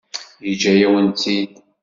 Yeǧǧa-yawen-tt-id.